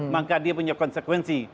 maka dia punya konsekuensi